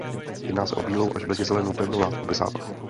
Jedná se o bílou až bledě zelenou pevnou látku bez zápachu.